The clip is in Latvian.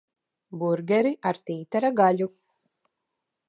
Burgeri ar tītara gaļu.